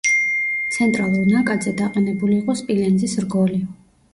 ცენტრალურ ნაკადზე დაყენებული იყო სპილენძის რგოლი.